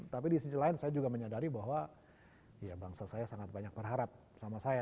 tapi di sisi lain saya juga menyadari bahwa bangsa saya sangat banyak berharap sama saya